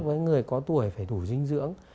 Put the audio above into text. với người có tuổi phải đủ dinh dưỡng